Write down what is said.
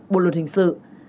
bộ luật hình sự